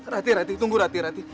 rati rati tunggu rati rati